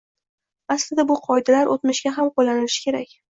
Aslida, bu qoidalar o'tmishga ham qo'llanilishi kerak